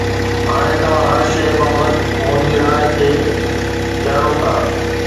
هاڻي توهان هر شيء بابت منهنجي راء کي ڄاڻو ٿا